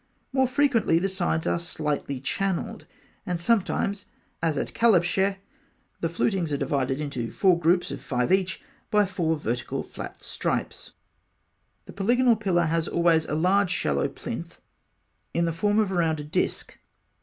More frequently the sides are slightly channelled; and sometimes, as at Kalabsheh, the flutings are divided into four groups of five each by four vertical flat stripes (fig. 60). The polygonal pillar has always a large, shallow plinth, in the form of a rounded disc.